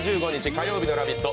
火曜日の「ラヴィット！」